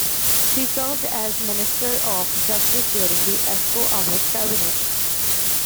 She served as Minister of Justice during the Esko Aho's cabinet.